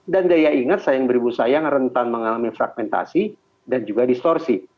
dan daya ingat sayang beribu sayang rentan mengalami fragmentasi dan juga distorsi